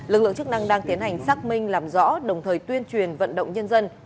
lực lượng chức năng đang tiến hành xác minh làm rõ đồng thời tuyên truyền vận động nhân dân